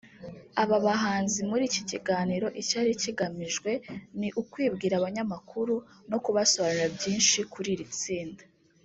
Aba bahanzi muri iki kiganiro icyari kigamijwe ni ukwibwira abanyamakuru no kubasobanurira byinshi kuri iri tsinda